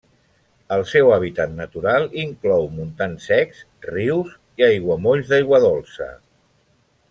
El seu hàbitat natural inclou montans secs, rius, aiguamolls d'aigua dolça.